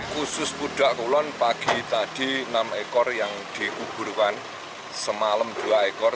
khusus pudak kulon pagi tadi enam ekor yang dikuburkan semalam dua ekor